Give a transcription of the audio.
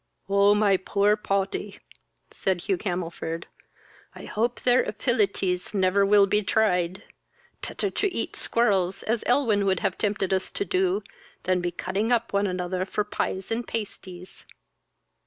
"On my poor poty (said Hugh Camelford) I hope their apilities never will be tried. Petter to eat squirrels, as Elwyn would have tempted us to do, than be cutting up one another for pies and pasties!"